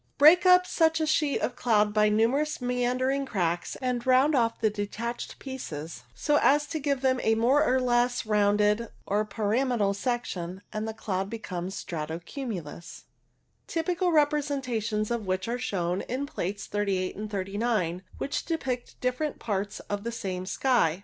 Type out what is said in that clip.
Break up such a sheet of cloud by numerous meandering cracks, and round off the detached pieces so as to give them a more or less rounded or pyramidal section, and the cloud becomes strato cumulus, typical representations of which are shown 78 LOWER CLOUDS in Plates 38 and 39, which depict different parts of the same sky.